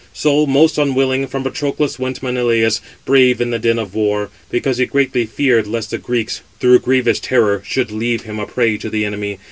So, most unwilling, from Patroclus went Menelaus, brave in the din of war; because he greatly feared lest the Greeks, through grievous terror, should leave him a prey to the enemy.